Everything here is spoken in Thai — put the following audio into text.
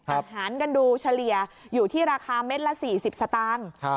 อาหารกันดูเฉลี่ยอยู่ที่ราคาเม็ดละ๔๐สตางค์